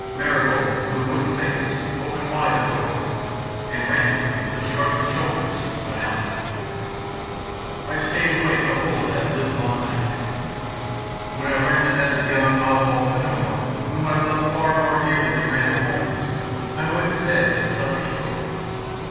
Marigold, with a wooden face, opened wide the door, and Randall, with a shrug of the shoulders, went out. I stayed awake the whole of that livelong night. When I learned the death of young Oswald Fenimore, whom I loved far more dearly than Randall Holmes, I went to bed and slept peacefully.